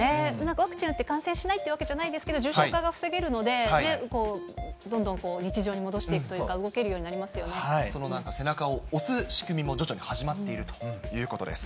ワクチンやって感染しないというわけじゃないですけど、重症化が防げるので、どんどん日常に戻していくというか、その背中を押す仕組みも徐々に始まっているということです。